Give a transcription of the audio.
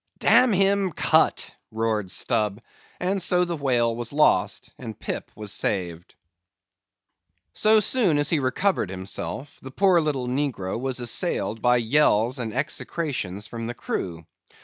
"Damn him, cut!" roared Stubb; and so the whale was lost and Pip was saved. So soon as he recovered himself, the poor little negro was assailed by yells and execrations from the crew.